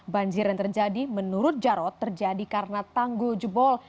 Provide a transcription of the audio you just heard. banjir yang terjadi menurut jarod terjadi karena tangguh jubol